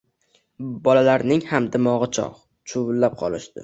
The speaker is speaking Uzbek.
Bolalarning ham dimog‘i chog‘, chuvillab qolishdi.